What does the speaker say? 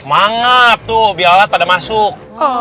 mangap tuh biar alat pada masuk